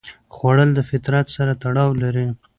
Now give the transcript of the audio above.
خوړل د فطرت سره تړاو لري